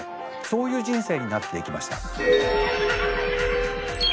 そういう人生になっていきました。